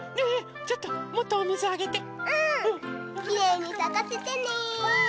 きれいにさかせてね。